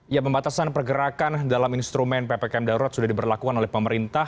ya pembatasan pergerakan dalam instrumen ppkm darurat sudah diberlakukan oleh pemerintah